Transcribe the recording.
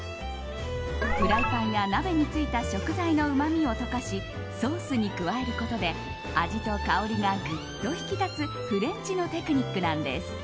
フライパンや鍋についた食材のうまみを溶かしソースに加えることで味と香りがグッと引き立つフレンチのテクニックなんです。